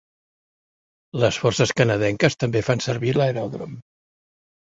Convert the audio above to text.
Les Forces canadenques també fan servir l'aeròdrom.